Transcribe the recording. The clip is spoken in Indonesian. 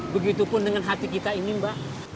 begitupun dengan hati kita ini mbak